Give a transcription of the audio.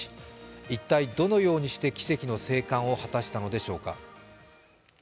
一体どのようにして奇跡の生還を果たしたのでしょうか。